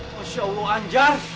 masya allah anjar